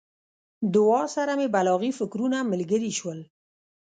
دعا سره مې بلاغي فکرونه ملګري شول.